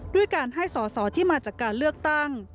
ด้วยการให้สอสอที่มาจากการเลือกตั้ง